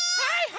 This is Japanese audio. はい！